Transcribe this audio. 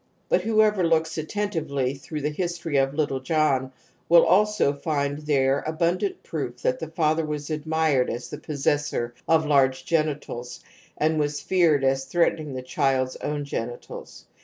But whoever looks atten tively tjirough the history of little John will also find there abundant proof that the father was admired as the possessor of large genitals and was feared as threatening the child's own geni tals.